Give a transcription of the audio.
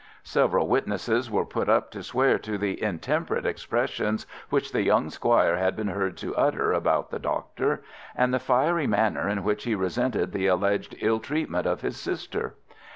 Several witnesses were put up to swear to the intemperate expressions which the young squire had been heard to utter about the doctor, and the fiery manner in which he resented the alleged ill treatment of his sister.